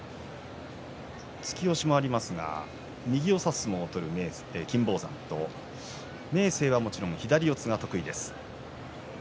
突き押しもありますが右を差す金峰山と明生はもちろん左四つが得意です。